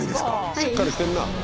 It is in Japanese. しっかりしてるなあ。